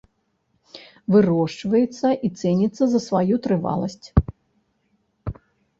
Вырошчваецца і цэніцца за сваю трываласць.